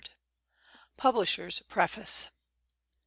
ETC. PUBLISHERS' PREFACE.